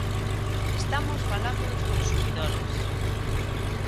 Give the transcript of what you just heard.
¡Estamos falando dos consumidores!